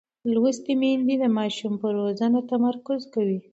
لوستې میندې د ماشوم پر روزنه تمرکز کوي.